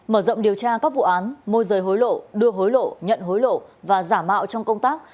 mở rộng điều tra các vụ án môi rời hối lộ đưa hối lộ nhận hối lộ và giả mạo trong công tác